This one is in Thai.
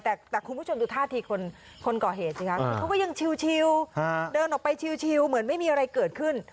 แต่คุณผู้ชมดูท่าทีคนก่อเหตุสิคะเขาก็ยังชิวเดินออกไปชิวเหมือนไม่มีอะไรเกิดขึ้น